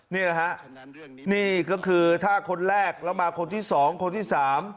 นี่แหละครับนี่ก็คือถ้าคนแรกแล้วมาคนที่สองคนที่สาม